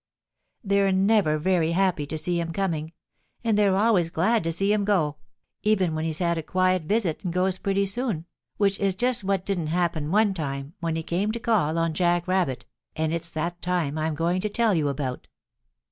They're never very happy to see him coming, and they're always glad to see him go, even when he's had a quiet visit and goes pretty soon, which is just what didn't happen one time when he came to call on Jack Rabbit, and it's that time I'm going to tell about.